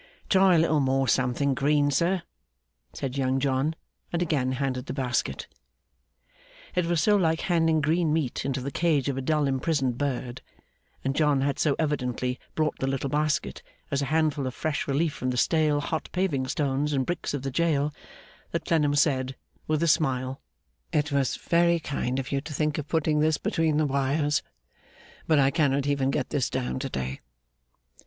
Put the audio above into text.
'Try a little more something green, sir,' said Young John; and again handed the basket. It was so like handing green meat into the cage of a dull imprisoned bird, and John had so evidently brought the little basket as a handful of fresh relief from the stale hot paving stones and bricks of the jail, that Clennam said, with a smile, 'It was very kind of you to think of putting this between the wires; but I cannot even get this down to day.